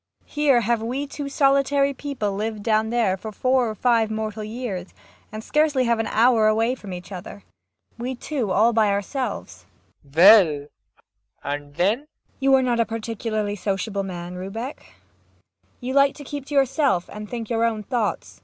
Here have we two solitary people lived down there for four or five mortal years, and scarcely have an hour away from each other. We two all by ourselves. PROFESSOR RUBEK. [With interest.] Well? And then ? MAIA. [A little oppressed.] You are not a particularly sociable man, Rubek. You like to keep to yourself and think your own thoughts.